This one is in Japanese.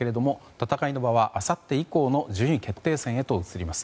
戦いの場はあさって以降の順位決定戦へ移ります。